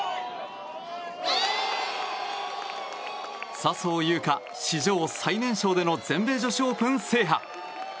笹生優花、史上最年少での全米女子オープン制覇。